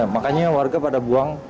makanya warga pada buangnya